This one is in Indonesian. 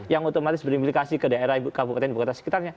yang otomatis berimplikasi ke daerah kabupaten ibu kota sekitarnya